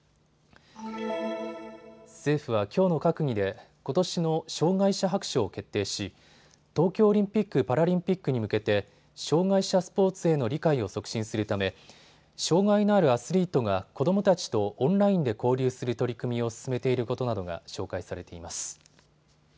政府はきょうの閣議でことしの障害者白書を決定し東京オリンピック・パラリンピックに向けて障害者スポーツへの理解を促進するため障害のあるアスリートが子どもたちとオンラインで交流する取り組みを進めていることなどが紹介されています。